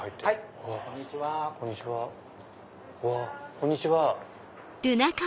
こんにちは。